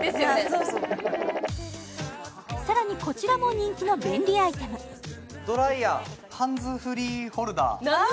そうそうさらにこちらも人気の便利アイテムドライヤーハンズフリーホルダーなぬ！？